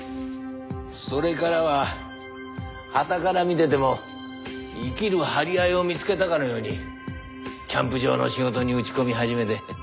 それからははたから見てても生きる張り合いを見つけたかのようにキャンプ場の仕事に打ち込み始めて。